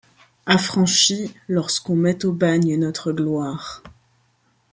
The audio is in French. Affranchis, lorsqu'on met au bagne notre gloire